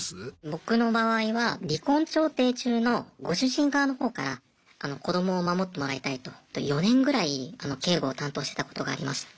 僕の場合は離婚調停中のご主人側のほうから子どもを守ってもらいたいと４年ぐらい警護を担当してたことがありました。